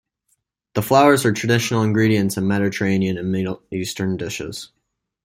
The flowers are traditional ingredients in Mediterranean and Middle Eastern dishes.